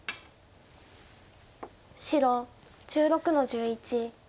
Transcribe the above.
白１６の十一。